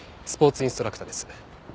スポーツインストラクターです。